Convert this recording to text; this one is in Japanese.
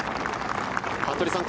服部さん